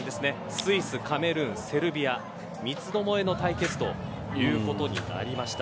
スイス、カメルーンセルビア三つどもえの対決ということになりました。